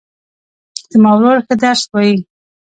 زما ورور ښه درس وایي